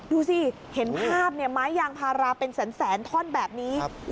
ดูสิเห็นภาพไม้ยางพาราเป็นแสนท่อนแบบนี้